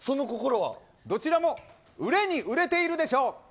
どちらも売れに熟れているでしょう。